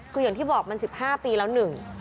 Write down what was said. คืออย่างที่บอกมัน๑๕ปีแล้วหนึ่ง